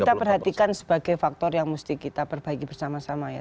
kita perhatikan sebagai faktor yang mesti kita perbaiki bersama sama ya